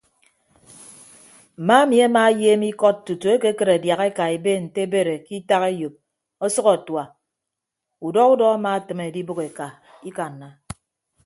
Mma emi ama ayeem ikod tutu ekekịd adiaha eka ebe nte ebere ke itak eyop ọsʌk atua udọ udọ ama atịme edibәk eka ikanna.